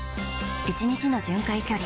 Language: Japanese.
１日の巡回距離